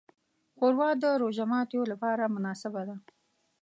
ښوروا د روژې د ماتیو لپاره مناسبه ده.